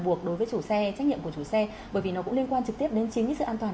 buộc đối với chủ xe trách nhiệm của chủ xe bởi vì nó cũng liên quan trực tiếp đến chính cái sự an toàn